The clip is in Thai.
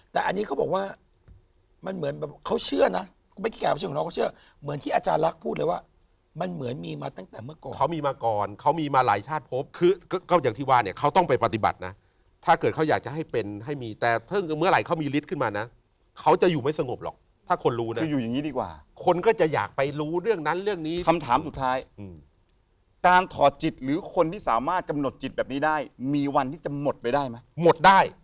แต่อันนี้เขาบอกว่ามันเหมือนแบบเขาเชื่อนะไม่แก่ของน้องเขาเชื่อเหมือนที่อาจารย์ลักษณ์พูดเลยว่ามันเหมือนมีมาตั้งแต่เมื่อก่อนเขามีมาก่อนเขามีมาหลายชาติพบคือก็อย่างที่ว่าเนี่ยเขาต้องไปปฏิบัตินะถ้าเกิดเขาอยากจะให้เป็นให้มีแต่เมื่อไหร่เขามีฤทธิ์ขึ้นมานะเขาจะอยู่ไม่สงบหรอกถ้าคนรู้นะคืออยู่อย่างนี้ด